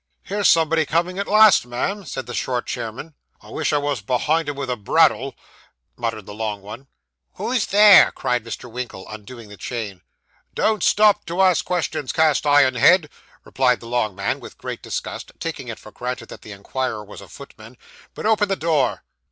'Here's somebody comin' at last, ma'am,' said the short chairman. 'I wish I wos behind him vith a bradawl,' muttered the long one. 'Who's there?' cried Mr. Winkle, undoing the chain. 'Don't stop to ask questions, cast iron head,' replied the long man, with great disgust, taking it for granted that the inquirer was a footman; 'but open the door.